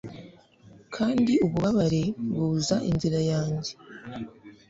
Kandi ububabare buza inzira yanjye